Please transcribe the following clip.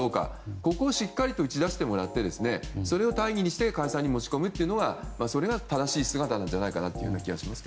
ここをしっかりと打ち出してもらってそれを大義にして解散に持ち込むというのが正しい姿という気がします。